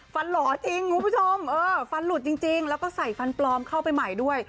หล่อจริงคุณผู้ชมเออฟันหลุดจริงแล้วก็ใส่ฟันปลอมเข้าไปใหม่ด้วย